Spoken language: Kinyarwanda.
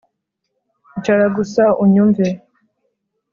Icara gusa unyumve